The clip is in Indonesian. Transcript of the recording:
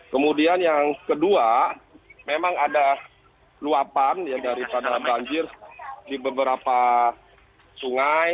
kemudian yang kedua memang ada luapan daripada banjir di beberapa sungai